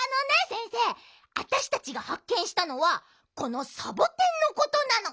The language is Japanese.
先生あたしたちがはっけんしたのはこのサボテンのことなの。